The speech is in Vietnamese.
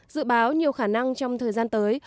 dự báo nhiều khả năng trong thời gian tới